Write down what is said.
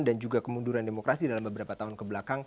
dan juga kemunduran demokrasi dalam beberapa tahun kebelakang